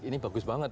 ini bagus banget